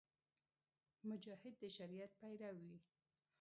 مجاهد د شریعت پیرو وي.